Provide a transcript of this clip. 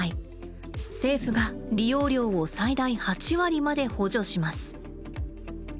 政府が利用料を最大８割まで補助します。